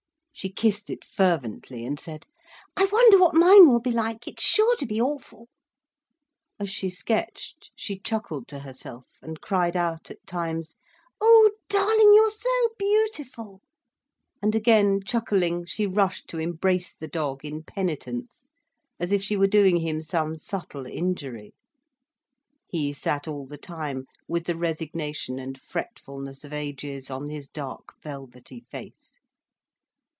She kissed it fervently, and said: "I wonder what mine will be like. It's sure to be awful." As she sketched she chuckled to herself, and cried out at times: "Oh darling, you're so beautiful!" And again chuckling, she rushed to embrace the dog, in penitence, as if she were doing him some subtle injury. He sat all the time with the resignation and fretfulness of ages on his dark velvety face.